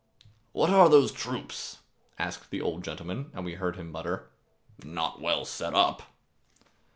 "What are those troops?" asked the old gentleman, and we heard him mutter, "Not well set up."